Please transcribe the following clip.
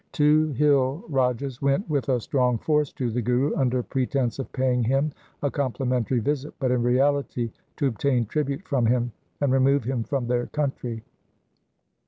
Two hill Rajas went with a strong force to the Guru under pretence of paying him a complimentary visit, but in reality to obtain tribute from him, and remove him from their country.